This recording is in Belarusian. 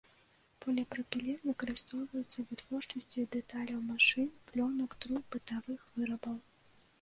Поліпрапілен выкарыстоўваецца ў вытворчасці дэталяў машын, плёнак, труб, бытавых вырабаў.